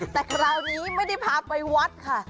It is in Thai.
แต่คราวนี้ไม่ได้พาไปวัดค่ะ